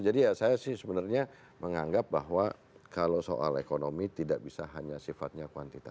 jadi ya saya sih sebenarnya menganggap bahwa kalau soal ekonomi tidak bisa hanya sifatnya kuantitatif